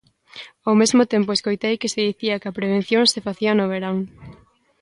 Ao mesmo tempo escoitei que se dicía que a prevención se facía no verán.